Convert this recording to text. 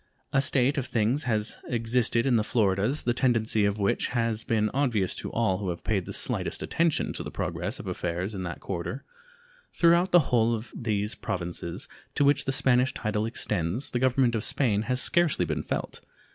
A state of things has existed in the Floridas the tendency of which has been obvious to all who have paid the slightest attention to the progress of affairs in that quarter. Throughout the whole of those Provinces to which the Spanish title extends the Government of Spain has scarcely been felt.